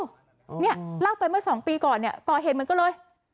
เนี่ยเล่าไปเมื่อสองปีก่อนเนี่ยก่อเหตุเหมือนกันเลย